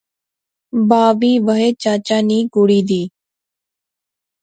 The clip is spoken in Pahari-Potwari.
با وی وہے چچا نی کڑی دی